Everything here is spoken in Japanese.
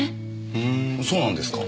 ふうんそうなんですか。